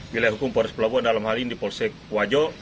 wilayah hukum polres pelabuhan dalam hal ini di polsek wajo